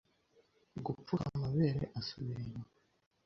Gupfuka amabere asubira inyuma